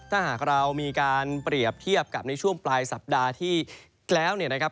ถ้าหากเรามีการเปรียบเทียบกับในช่วงปลายสัปดาห์ที่แล้วเนี่ยนะครับ